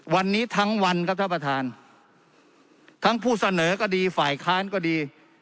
วันนี้ทั้งวันครับท่านประธานทั้งผู้เสนอก็ดีฝ่ายค้านก็ดี